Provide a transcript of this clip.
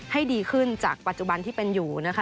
ให้ดีขึ้นจากปัจจุบันที่เป็นอยู่นะคะ